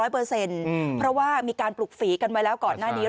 เพราะว่ามีการปลุกฝีกันไว้แล้วก่อนหน้านี้